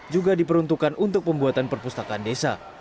juga diperuntukkan untuk pembuatan perpustakaan desa